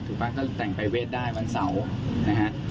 ถูกปะก็แต่งประเวทได้วันเสาร์